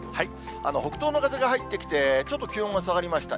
北東の風が入ってきて、ちょっと気温が下がりました。